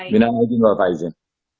minamu di luar pak izin